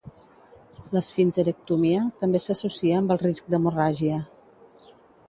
L'esfinterectomia també s'associa amb el risc d'hemorràgia.